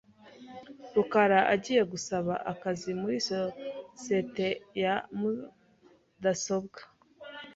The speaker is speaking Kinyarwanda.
rukara agiye gusaba akazi muri sosiyete ya mudasobwa .